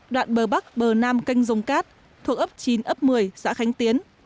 đoạn bờ bắc bờ nam canh giống cát thuộc ấp chín ấp một mươi xã khánh tiến